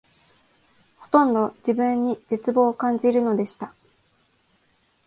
ほとんど自分に絶望を感じるのでした